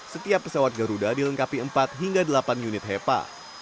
setiap pesawat garuda dilengkapi empat hingga delapan unit hepa